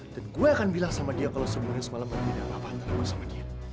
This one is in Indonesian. dan gua akan bilang sama dia kalau sebenarnya semalam ada gini apa apa yang telah gua sama dia